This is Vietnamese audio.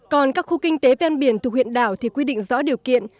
còn các khu kinh tế ven biển thuộc huyện đảo thì quy định rõ điều kiện